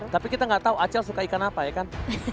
tapi kita nggak tahu acel suka ikan apa ya kan